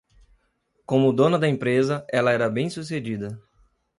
Como dona da empresa, ela era bem-sucedida